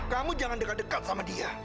kamu jangan dekat dekat sama dia